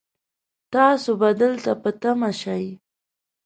تاسو به دلته په تمه شئ